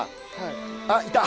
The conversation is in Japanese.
あっいた！